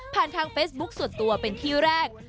ทางเฟซบุ๊คส่วนตัวเป็นที่แรก